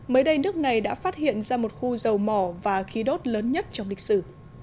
mới đây nước này đã phát hiện ra một khu dầu mỏ và khí đốt lớn nhất trong lịch sử